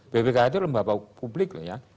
bpkh itu lembaga publik